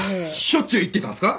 しょっちゅう行ってたんすか？